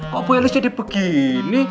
kok bu elis jadi begini